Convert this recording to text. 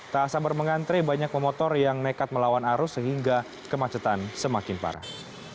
tak sabar mengantre banyak pemotor yang nekat melawan arus sehingga kemacetan semakin parah